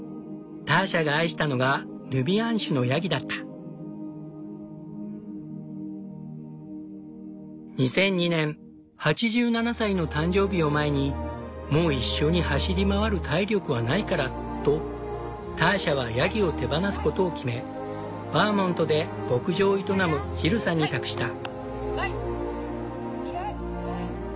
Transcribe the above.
ターシャが愛したのが２００２年８７歳の誕生日を前に「もう一緒に走り回る体力はないから」とターシャはヤギを手放すことを決めバーモントで牧場を営むジルさんに託した。